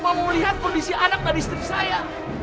saya cuma mau melihat kondisi anak dan istri saya